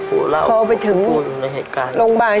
พ่อไปถึงโรงพยาบาล